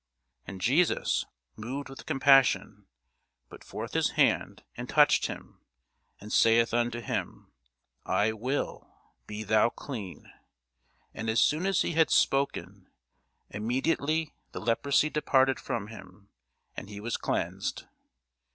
And Jesus, moved with compassion, put forth his hand, and touched him, and saith unto him, I will; be thou clean. And as soon as he had spoken, immediately the leprosy departed from him, and he was cleansed.